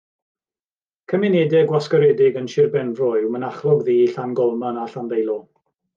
Cymunedau gwasgaredig yn sir Benfro yw Mynachlog-ddu, Llangolman a Llandeilo.